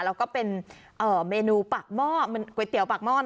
แล้วก็เป็นเมนูตอนเอาปากหม้อ